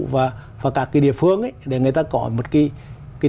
và cả cái địa phương để người ta có một cái